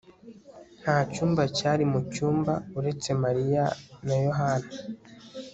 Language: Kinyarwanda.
ntacyumba cyari mucyumba uretse mariya na yohana